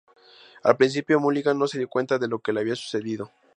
Al principio, Mulligan no se dio cuenta de lo que le había sucedido.